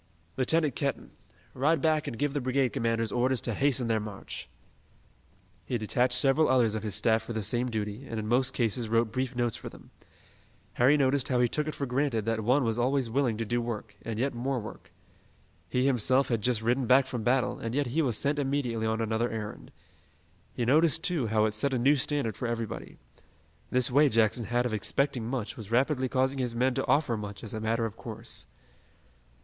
Lieutenant Kenton, ride back and give the brigade commanders orders to hasten their march." He detached several others of his staff for the same duty, and in most cases wrote brief notes for them. Harry noticed how he took it for granted that one was always willing to do work, and yet more work. He himself had just ridden back from battle, and yet he was sent immediately on another errand. He noticed, too, how it set a new standard for everybody. This way Jackson had of expecting much was rapidly causing his men to offer much as a matter of course.